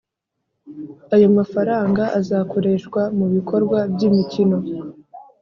Ayo mafaranga azakoreshwa mu bikorwa by’imikino